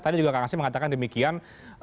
tadi juga kak ngasim mengatakan demikian